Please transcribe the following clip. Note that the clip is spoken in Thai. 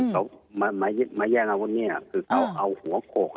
เขามาแย่งเอาพวกนี้คือเขาเอาหัวโขก